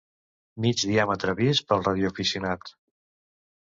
Mig diàmetre vist pel radioaficionat.